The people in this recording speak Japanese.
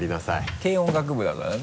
軽音楽部だからね。